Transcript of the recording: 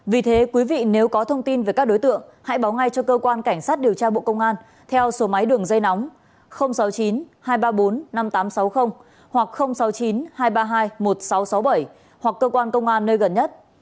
vì thế quý vị nếu có thông tin về các đối tượng hãy báo ngay cho cơ quan cảnh sát điều tra bộ công an theo số máy đường dây nóng sáu mươi chín hai trăm ba mươi bốn năm nghìn tám trăm sáu mươi hoặc sáu mươi chín hai trăm ba mươi hai một nghìn sáu trăm sáu mươi bảy hoặc cơ quan công an nơi gần nhất